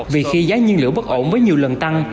vì khi giá nhiên liệu bất ổn với nhiều lần tăng